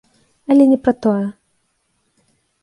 Але не пра тое.